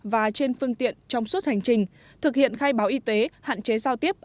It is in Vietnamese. và trên phương tiện trong suốt hành trình thực hiện khai báo y tế hạn chế giao tiếp